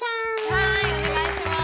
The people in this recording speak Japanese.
はいお願いします。